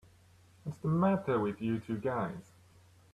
What's the matter with you two guys?